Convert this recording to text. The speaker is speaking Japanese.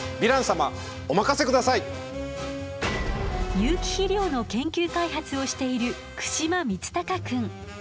有機肥料の研究開発をしている串間充崇くん。